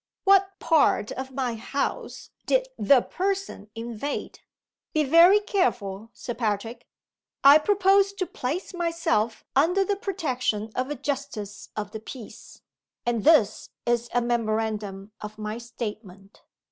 "What part of my house did 'The Person' invade? Be very careful, Sir Patrick! I propose to place myself under the protection of a justice of the peace; and this is a memorandum of my statement.